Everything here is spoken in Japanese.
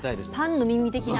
パンのミミ的な。